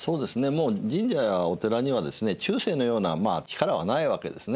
もう神社やお寺にはですね中世のような力はないわけですね。